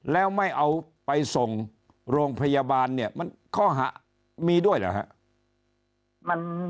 แล้วไม่เอาไปส่งโรงพยาบาลเนี่ยมันข้อหามีด้วยเหรอฮะ